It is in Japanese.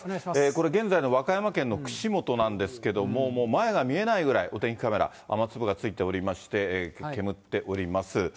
これ、現在の和歌山県の串本なんですけれども、もう前が見えないくらい、お天気カメラ、雨粒がついておりまして、けむっております。